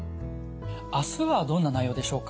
あすはどんな内容でしょうか？